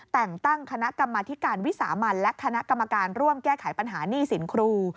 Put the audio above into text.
แต่งตั้งคณะกรรมธิการวิสามันและคณะกรรมการร่วมแก้ไขปัญหาหนี้สินครู